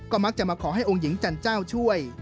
มักจะมาขอให้องค์หญิงจันเจ้าช่วย